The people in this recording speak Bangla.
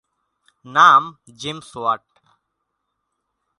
নাম জেমস ওয়াট।